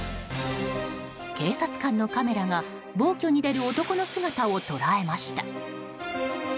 警察官のカメラが暴挙に出る男の姿を捉えました。